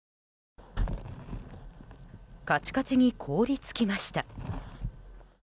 カチカチに凍り付きました。